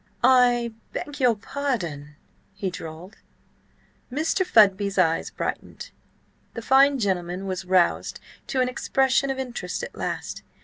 "I beg your pardon?" he drawled. Mr. Fudby's eye brightened. The fine gentleman was roused to an expression of interest at last.